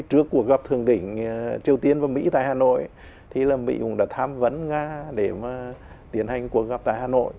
trước cuộc gặp thượng đỉnh triều tiên và mỹ tại hà nội thì là mỹ cũng đã tham vấn nga để mà tiến hành cuộc gặp tại hà nội